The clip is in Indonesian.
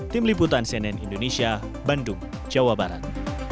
tim liputan cnn indonesia bandung jawa barat